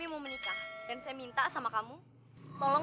ayo duluan ke tempat lu baru jalan